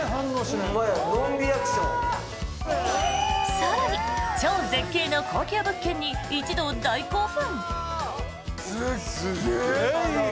更に、超絶景の高級物件に一同大興奮！